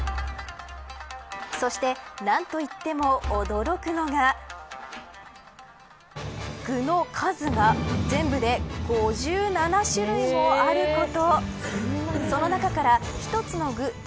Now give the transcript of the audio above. そして、何といっても驚くのが具の数が全部で５７種類もあること。